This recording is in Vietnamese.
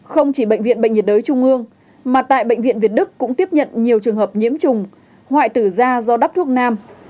không chỉ bệnh viện bệnh nhiệt đới trung ương mà tại bệnh viện việt đức cũng tiếp nhận nhiều trường hợp nhiễm trùng hoại tử ra do đắp thuốc nam